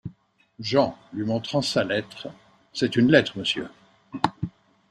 Jean, lui montrant sa lettre. — C’est une lettre, Monsieur.